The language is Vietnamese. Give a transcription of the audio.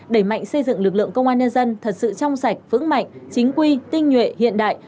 đẩy mạnh xây dựng lực lượng công an nhân dân thật sự trong sạch vững mạnh chính quy tinh nhuệ hiện đại